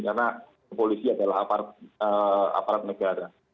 karena kepolisian adalah aparat negara